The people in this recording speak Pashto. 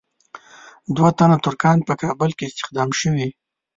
دوه تنه ترکان په کابل کې استخدام شوي.